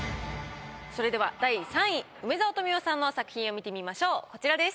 それでは第３位梅沢富美男さんの作品を見てみましょうこちらです。